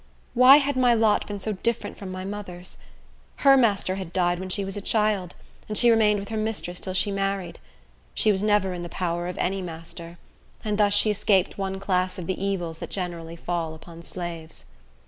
Why had my lot been so different from my mother's? Her master had died when she was a child; and she remained with her mistress till she married. She was never in the power of any master; and thus she escaped one class of the evils that generally fall upon slaves.